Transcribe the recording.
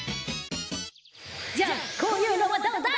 じゃあこういうのはどうだ？